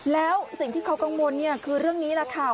แล้วสิ่งที่เขากังวลเนี่ยคือเรื่องนี้แหละค่ะ